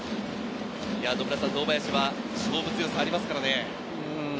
堂林は勝負強さがありますからね。